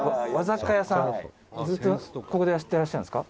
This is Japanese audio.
「ずっとここでやってらっしゃるんですか？」